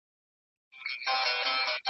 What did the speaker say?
د عباداتو سپکاوی کفر دی.